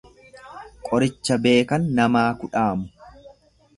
Qoricha beekan namaa kudhaamu.